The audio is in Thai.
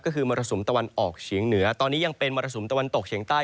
ก็คือมรสุมตะวันออกเฉียงเหนือตอนนี้ยังเป็นมรสุมตะวันตกเฉียงใต้